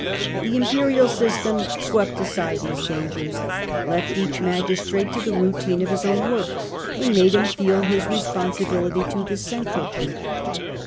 The imperial system swept aside these dangers, left each magistrate to the routine of his own work, and made him feel his responsibility to the central chief.